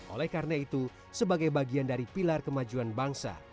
oleh karena itu sebagai bagian dari pilar kemajuan bangsa